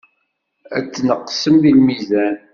Ad tneqsem deg lmizan.